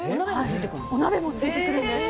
お鍋もついてくるんです。